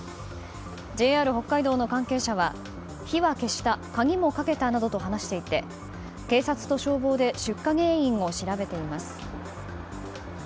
ＪＲ北海道の関係者は火は消した鍵もかけたなどと話していて警察と消防で出火原因を調べています。